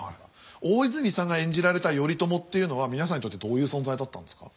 大泉さんが演じられた頼朝というのは皆さんにとってどういう存在だったんですか？